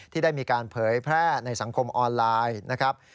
ที่ได้มีการเผยแพร่ในสังคมออนไลน์นะครับ